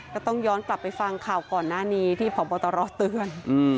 ต้องย้อนกลับไปฟังข่าวก่อนหน้านี้ที่พบตรเตือน